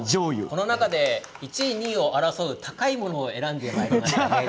この中で１位２位を争う高いものを選びましたね。